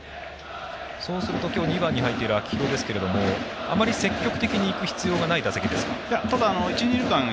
２番に入っている秋広ですがあまり積極的にいく必要がない打席ですか？